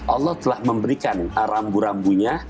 allah telah memberikan rambu rambunya